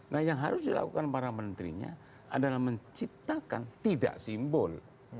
nah yang harus dilakukan para menterinya adalah menciptakan tidak simbol